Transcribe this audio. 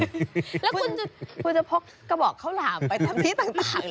แล้วคุณจะพกกระบอกข้าวหลามไปตามที่ต่าง